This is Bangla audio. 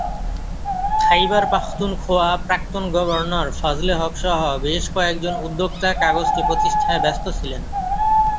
খাইবার পাখতুনখোয়া প্রাক্তন গভর্নর ফজলে হক সহ বেশ কয়েকজন উদ্যোক্তা কাগজটি প্রতিষ্ঠায় ব্যস্ত ছিলেন।